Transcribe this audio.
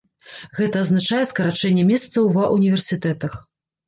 Гэта азначае скарачэнне месцаў ва ўніверсітэтах.